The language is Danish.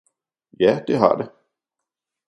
Ja, det har det!